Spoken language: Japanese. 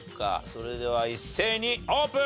それでは一斉にオープン！